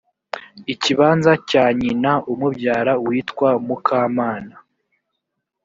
ikibanza cya nyina umubyara witwa mukamana